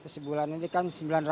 sebulan ini kan sembilan ratus